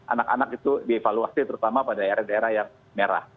anak anak itu dievaluasi terutama pada daerah daerah yang merah